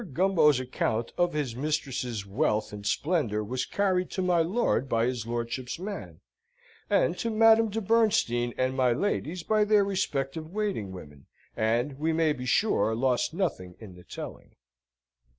Gumbo's account of his mistress's wealth and splendour was carried to my lord by his lordship's man, and to Madame de Bernstein and my ladies by their respective waiting women, and, we may be sure, lost nothing in the telling.